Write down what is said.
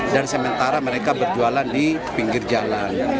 dan sementara mereka berjualan di pinggir jalan